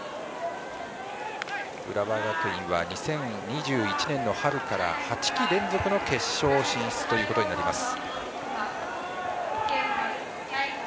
浦和学院は２０２１年の春から８季連続の決勝進出ということになります。